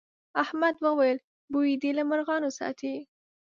احمد وويل: بوی دې له مرغانو ساتي.